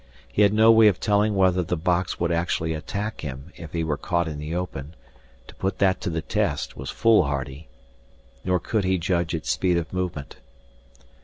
He had no way of telling whether the box would actually attack him if he were caught in the open to put that to the test was foolhardy nor could he judge its speed of movement.